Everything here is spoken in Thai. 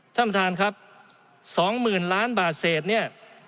ท่านประธานครับ๒๐๐๐ล้านบาทเศษเนี่ย